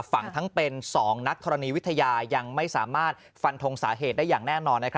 ทั้งเป็น๒นักธรณีวิทยายังไม่สามารถฟันทงสาเหตุได้อย่างแน่นอน